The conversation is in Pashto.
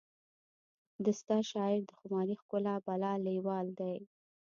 د ستا شاعر د خماري ښکلا بلا لیوال دی